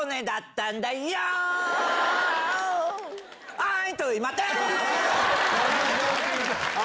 はい。